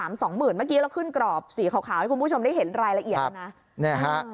เมื่อกี้เราขึ้นกรอบสีขาวให้คุณผู้ชมได้เห็นรายละเอียดแล้วนะ